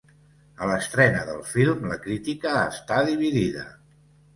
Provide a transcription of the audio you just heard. A l'estrena del film, la crítica està dividida.